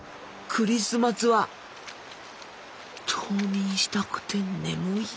クリスマスは冬眠したくて眠い。